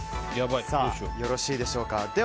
よろしいでしょうか？